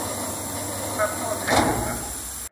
กระตั้วแทงเสือ